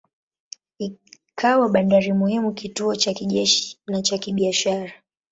Ikawa bandari muhimu, kituo cha kijeshi na cha kibiashara.